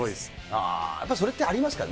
やっぱり、それってありますかね？